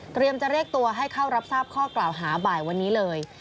จะเรียกตัวให้เข้ารับทราบข้อกล่าวหาบ่ายวันนี้เลย